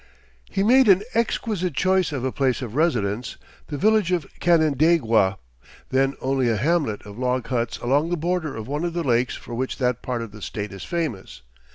He made an exquisite choice of a place of residence, the village of Canandaigua, then only a hamlet of log huts along the border of one of the lakes for which that part of the State is famous.